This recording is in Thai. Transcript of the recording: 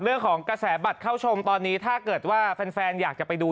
เรื่องของกระแสบัตรเข้าชมตอนนี้ถ้าเกิดว่าแฟนอยากจะไปดู